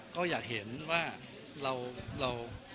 ก็อยากเห็นว่าเรา